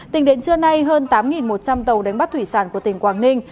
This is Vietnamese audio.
tính đến trưa nay hơn tám một trăm linh tàu đánh bắt thủy sản của tỉnh quảng ninh